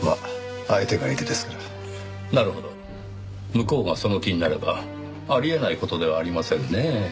向こうがその気になればあり得ない事ではありませんねぇ。